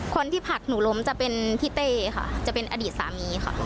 ผลักหนูล้มจะเป็นพี่เต้ค่ะจะเป็นอดีตสามีค่ะ